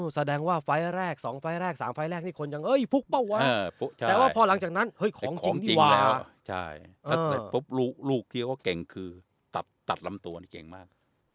เป็นภายแรกสองฟ้าแรกสองฟ้าแรกนี่คนยังเอายี้ไปว่าพังจากนั้นทุกของจริงแล้วใช่อ่ะพบลูกกลุ่มช่วยกลับตัดล้ำตวงเก่งมาก